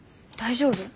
大丈夫？